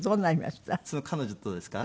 その彼女とですか？